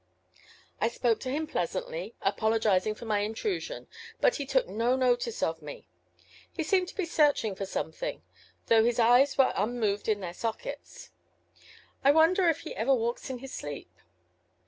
I spoke to him pleasantly, apologizing for my intrusion, but he took no notice of me. He seemed to be searching for something, though his eyes were unmoved in their sockets. I wonder if he ever walks in his sleep.